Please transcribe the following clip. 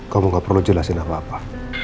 kamu gak perlu jelasin apa apa